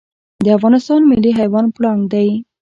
د افغانستان ملي حیوان پړانګ دی